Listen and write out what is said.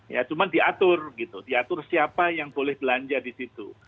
ya cuma diatur gitu diatur siapa yang boleh belanja di situ